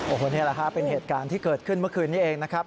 โอ้โหนี่แหละฮะเป็นเหตุการณ์ที่เกิดขึ้นเมื่อคืนนี้เองนะครับ